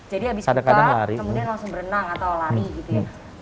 jadi habis buka kemudian langsung berenang atau lari gitu ya